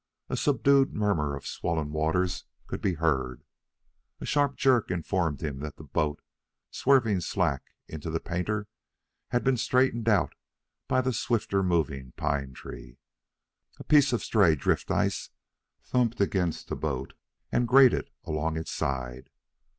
A subdued murmur of swollen waters could be heard. A sharp jerk informed him that the boat, swerving slack into the painter, had been straightened out by the swifter moving pine tree. A piece of stray drift ice thumped against the boat and grated along its side.